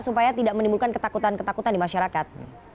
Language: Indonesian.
supaya tidak menimbulkan ketakutan ketakutan di masyarakat